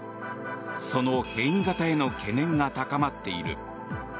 その変異型への懸念が高まっている。